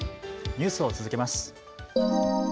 ニュースを続けます。